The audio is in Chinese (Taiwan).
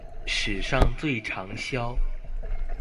史上最長銷